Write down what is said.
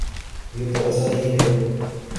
یہ تو ایسے ہی ہے۔